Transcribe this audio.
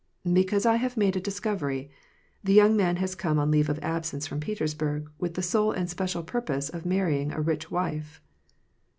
"Because I have made a discovery: the young man has come on leave of absence from Petersburg, with the sole and special purpose of marrying a rich wife."